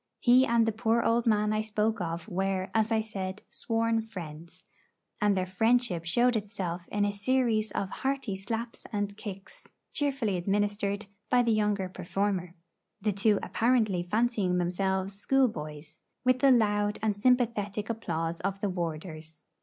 He and the poor old man I spoke of were, as I said, sworn friends; and their friendship showed itself in a series of hearty slaps and kicks cheerfully administered by the younger performer, the two apparently fancying themselves schoolboys, with the loud and sympathetic applause of the warders.